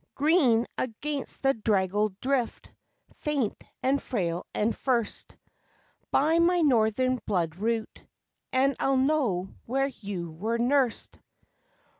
Green against the draggled drift, Faint and frail and first Buy my Northern blood root And I'll know where you were nursed!